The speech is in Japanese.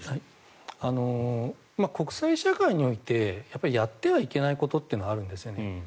国際社会においてやってはいけないことというのがあるんです。